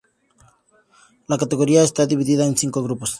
La categoría está dividida en cinco grupos.